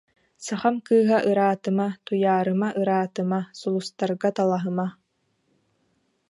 Сахам кыыһа ыраатыма, Туйаарыма, ыраатыма, Сулустарга талаһыма